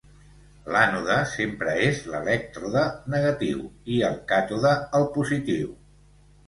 L'ànode sempre és l'elèctrode negatiu i el càtode el positiu.